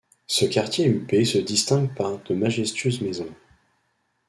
Ce quartier huppé se distingue par de majestueuses maisons.